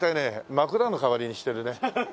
枕の代わりにしてるね。